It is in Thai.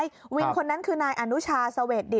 ถือเครื่องหนูเขาก็เปิดเครื่องมาพี่